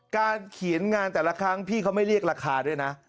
การเขียนงานแต่ละครั้งพี่เขาไม่เรียกราคาด้วยนะ